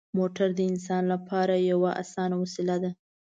موټر د انسان لپاره یوه اسانه وسیله ده.